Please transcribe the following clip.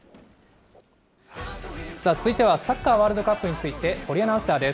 続いてはサッカーワールドカップ、堀アナウンサーです。